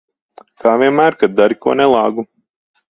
Kā vienmēr, kad dari ko nelāgu.